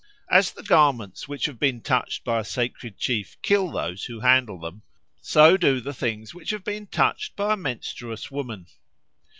As the garments which have been touched by a sacred chief kill those who handle them, so do the things which have been touched by a menstruous women.